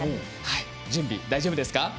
準備は大丈夫ですか？